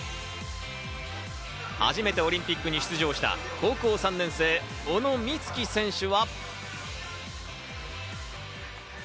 初めてオリンピックに出場した高校３年生、小野光希選手は。